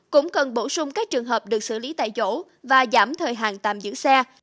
cũng cần bổ sung các trường hợp được xử lý tại chỗ và giảm thời hàng tạm giữ xe